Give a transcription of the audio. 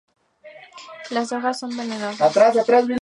Las hojas son venosas.